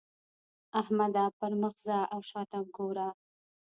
احمده! پر مخ ځه او شا ته ګوره.